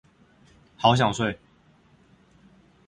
好想睡